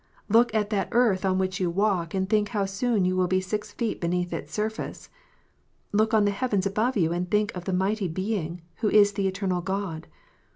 Look at that earth on which you walk, and think how soon you will be six feet beneath its surface. Look on the heavens above you, and think of the mighty Being, who is the eternal God.